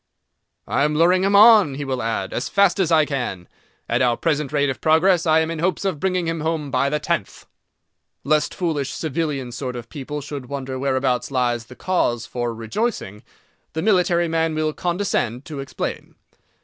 "I am luring him on," he will add, "as fast as I can. At our present rate of progress, I am in hopes of bringing him home by the tenth." Lest foolish civilian sort of people should wonder whereabouts lies the cause for rejoicing, the military man will condescend to explain.